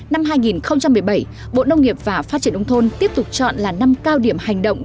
năm hai nghìn một mươi bảy bộ nông nghiệp và phát triển nông thôn tiếp tục chọn là năm cao điểm hành động